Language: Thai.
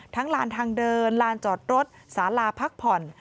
ลานทางเดินลานจอดรถสาลาพักผ่อน